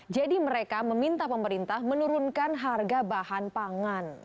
jadi mereka meminta pemerintah menurunkan harga bahan pangan